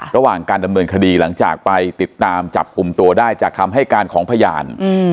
ระหว่างการดำเนินคดีหลังจากไปติดตามจับกลุ่มตัวได้จากคำให้การของพยาน